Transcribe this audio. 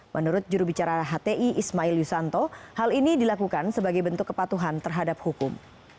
menurut jurubicara hti ismail yusanto hal ini dilakukan sebagai bentuk kepatuhan terhadap hukum